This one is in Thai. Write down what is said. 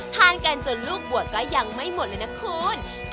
ทานกันจนลูกบัวก็ยังไม่หมดเลยนะคุณ